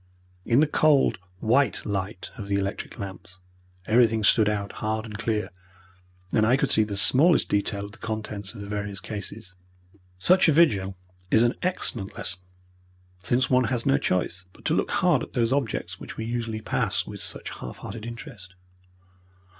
In the cold white light of the electric lamps everything stood out hard and clear, and I could see the smallest detail of the contents of the various cases. Such a vigil is an excellent lesson, since one has no choice but to look hard at those objects which we usually pass with such half hearted interest.